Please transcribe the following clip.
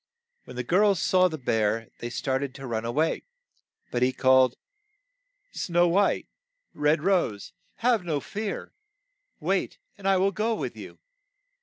When the girls saw the bear, they star ted to run a way, but he called, "Snow White, Red Rose, have no fear! Wait, and I will go with you."